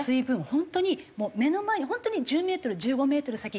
本当にもう目の前に本当に１０メートル１５メートル先行